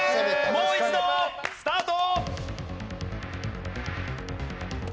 もう一度スタート。